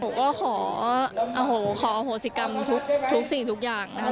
ผมก็ขอโศกรรมทุกสิ่งทุกอย่างนะคะ